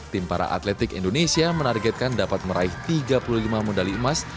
tim para atletik indonesia menargetkan dapat meraih tiga puluh lima medali emas